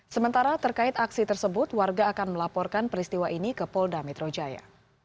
sementara terkait aksi tersebut warga akan melaporkan peristiwa ini ke polda metro jaya